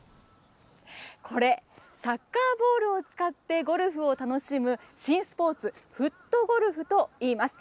これ、サッカーボールを使ってゴルフを楽しむ新スポーツフットゴルフといいます。